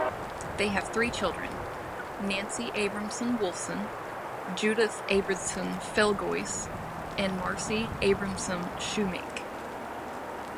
They have three children: Nancy Abramson Wolfson, Judith Abramson Felgoise and Marcy Abramson Shoemake.